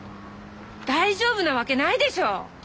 大丈夫なわけないでしょう！